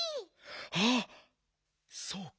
あっそうか。